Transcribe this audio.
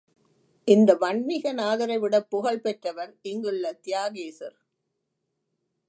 இந்த வன்மீகநாதரை விடப் புகழ் பெற்றவர் இங்குள்ள தியாகேசர்.